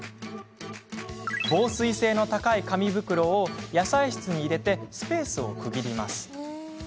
防水性の高い紙袋を野菜室に入れスペースを区切ります。